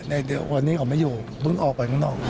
ในวันนี้เขาไม่อยู่เพิ่งออกไปข้างนอก